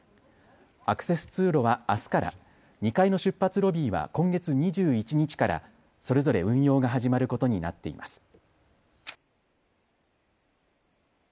アクセス通路はあすから、２階の出発ロビーは今月２１日からそれぞれ運用が始まることになっています。